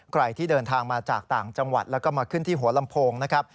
ใครที่เดินทางมาจากต่างจังหวัดแล้วก็มาขึ้นที่หัวลำโพงนะครับ